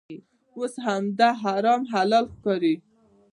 اوس همدا حرام حلال ښکاري.